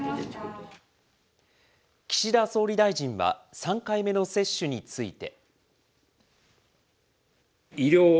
岸田総理大臣は３回目の接種について。